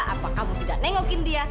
apa kamu tidak nengokin dia